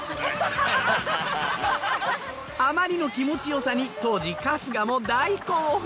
あまりの気持ちよさに当時春日も大興奮！